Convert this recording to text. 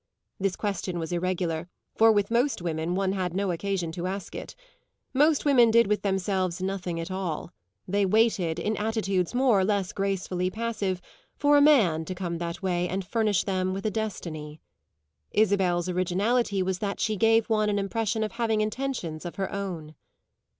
This question was irregular, for with most women one had no occasion to ask it. Most women did with themselves nothing at all; they waited, in attitudes more or less gracefully passive, for a man to come that way and furnish them with a destiny. Isabel's originality was that she gave one an impression of having intentions of her own.